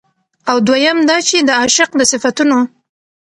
او دويم دا چې د عاشق د صفتونو